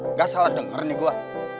nggak salah denger nih gue